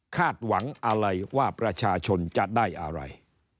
หวังอะไรว่าประชาชนจะได้อะไร